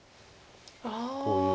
こういう。